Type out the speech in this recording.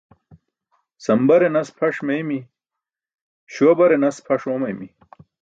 Sambare nas pʰaṣ meeymi̇, śuwa bare nas pʰaṣ oomaymi.